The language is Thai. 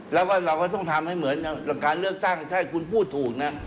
แล้วก็เราก็ต้องทำให้เหมือนการเลือกตั้งถ้าคุณพูดถูกนะ